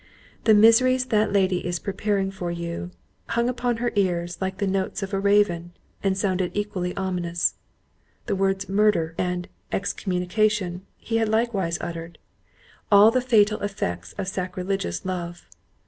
"The miseries that lady is preparing for you," hung upon her ears like the notes of a raven, and sounded equally ominous. The words "murder" and "excommunication" he had likewise uttered; all the fatal effects of sacrilegious love.